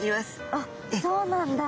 あっそうなんだ。